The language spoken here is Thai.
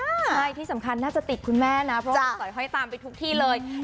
ใช่ที่สำคัญน่าจะติดคุณแม่นะเพราะว่าสอยห้อยตามไปทุกที่เลย